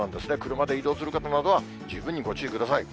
車で移動する方などは、十分にご注意ください。